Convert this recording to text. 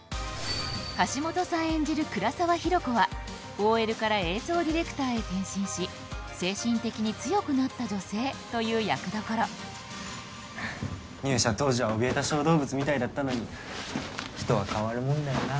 橋本さん演じる倉沢比呂子はＯＬから映像ディレクターへ転身し精神的に強くなった女性という役どころ入社当時はおびえた小動物みたいだったのに人は変わるもんだよな